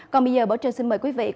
còn bây giờ bộ trường xin mời quý vị